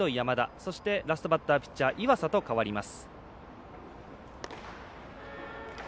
そして、ラストバッターピッチャー、岩佐と代わります。